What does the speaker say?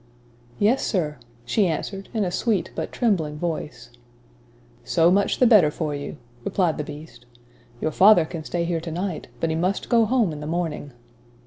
"Yes, sir," she answered in a sweet but trembling voice. "So much the better for you," replied the Beast. "Your father can stay here to night, but he must go home in the morning."